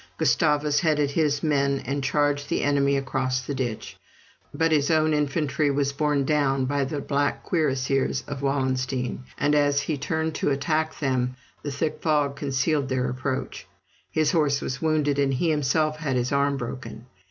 Gustavus headed his men and charged the enemy across the ditch. But his own infantry was borne down by the black cuirassiers of Wallenstein, and, as he turned to attack them, the thick fog concealed their approach. His horse was wounded, and he himself had his arm broken.